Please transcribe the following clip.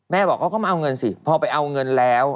บอกเขาก็มาเอาเงินสิพอไปเอาเงินแล้ว